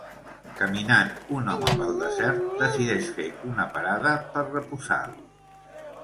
Caminant un home pel desert, decideix fer una parada per reposar.